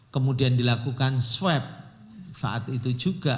kemudian dilakukan swab saat itu juga